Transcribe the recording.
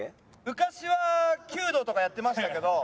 昔は弓道とかやってましたけど。